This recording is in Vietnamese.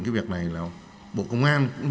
cái việc này là bộ công an